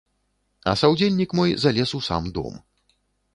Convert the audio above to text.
А саўдзельнік мой залез у сам дом.